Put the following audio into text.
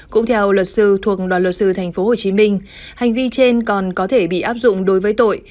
cũng theo luật sư thuộc đoàn luật sư tp hcm hành vi trên còn có thể bị áp dụng đối với tội